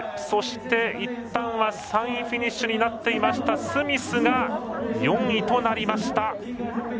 そして、いったんは３位フィニッシュになっていましたスミスが４位となりました。